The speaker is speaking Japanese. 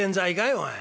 おい。